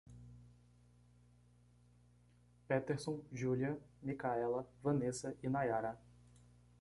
Peterson, Giulia, Micaela, Wanessa e Nayara